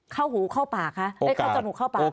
เข้าหูเข้าจันทร์หูเข้าปากค่ะ